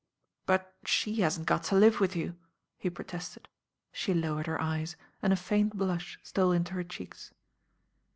"But she hasn't got to live with you," he pro tested. She lowered her eyes, and a faint blush stole into her cheeks.